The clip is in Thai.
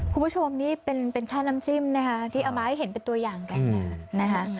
คุณผู้ชมนี่เป็นแค่น้ำจิ้มนะคะที่เอามาให้เห็นเป็นตัวอย่างกันนะคะ